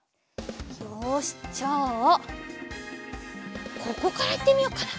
よしじゃあここからいってみよっかな。